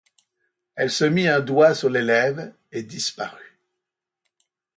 Elle se mit un doigt sur les lèvres et disparut.